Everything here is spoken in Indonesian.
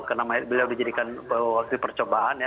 karena beliau dijadikan waktu percobaan ya